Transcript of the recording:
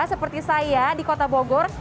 seperti saya di kota bogor